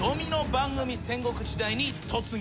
番組戦国時代に突入します。